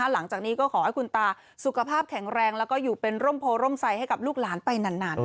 หลังจากนี้ก็ขอให้คุณตาสุขภาพแข็งแรงแล้วก็อยู่เป็นร่มโพร่มใสให้กับลูกหลานไปนาน